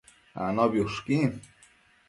Anobi ushquin